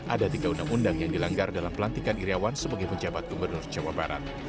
ada tiga undang undang yang dilanggar dalam pelantikan iryawan sebagai pejabat gubernur jawa barat